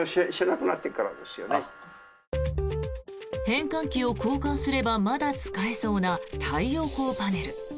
変換器を交換すればまだ使えそうな太陽光パネル。